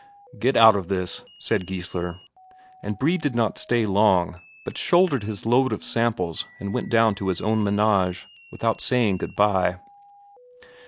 "Get out of this," said Geissler. And Brede did not stay long, but shouldered his load of samples and went down to his own menage, without saying good bye.